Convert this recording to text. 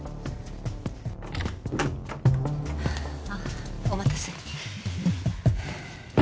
あっお待たせ。